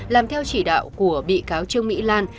làm theo chỉ đạo của bị cáo trương mỹ lan